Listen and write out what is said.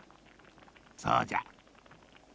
そうじゃ。